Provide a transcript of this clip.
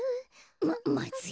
ままずい。